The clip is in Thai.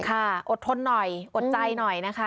อดทนหน่อยอดใจหน่อยนะคะ